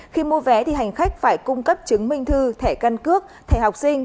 khi mua vé hành khách phải cung cấp chứng minh thư thẻ căn cước thẻ học sinh